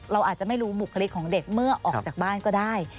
เราอาจจะไม่รู้บุคลิกของเด็กเมื่อออกจากบ้านก็ได้